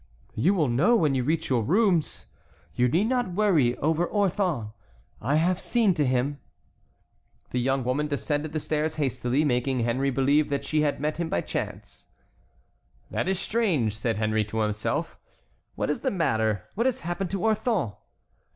"You will know when you reach your rooms. You need not worry over Orthon. I have seen to him." The young woman descended the stairs hastily, making Henry believe that she had met him by chance. "That is strange," said Henry to himself. "What is the matter? What has happened to Orthon?"